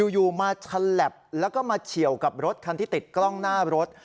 อยู่มาฉลับแล้วก็มาเฉียวกับรถคันที่ติดกล้องหน้ารถ